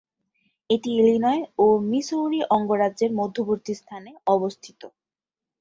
এটি ইলিনয় ও মিসৌরি অঙ্গরাজ্যের মধ্যবর্তী স্থানে অবস্থিত।